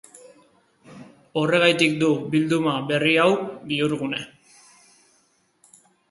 Horregatik du kantu bilduma berri hau bihurgune.